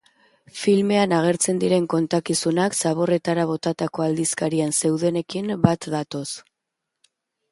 Filmean agertzen diren kontakizunak zaborretara botatako aldizkarian zeudenekin bat datoz.